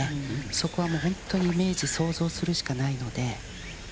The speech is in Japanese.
そこは本当にイメージ、想像するしかないので。